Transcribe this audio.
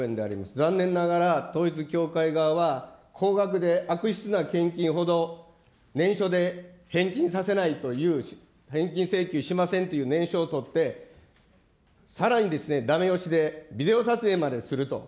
残念ながら統一教会側は、高額で悪質な献金ほど念書で返金させないという返金請求しませんっていう念書を取って、さらにですね、だめ押しでビデオ撮影まですると。